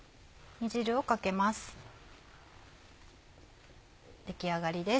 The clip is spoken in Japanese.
煮汁をかけます。